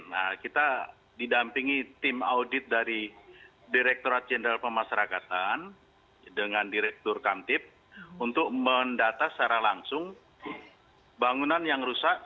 nah kita didampingi tim audit dari direkturat jenderal pemasarakatan dengan direktur kamtip untuk mendata secara langsung bangunan yang rusak